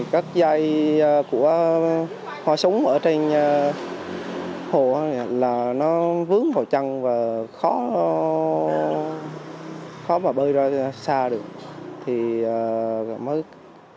cái của hòa súng ở trên hồ là nó vướng vào chân và khó mà bơi ra xa được